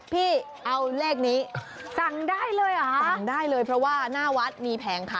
พี่เอาเลขนี้สั่งได้เลยเหรอสั่งได้เลยเพราะว่าหน้าวัดมีแผงขาย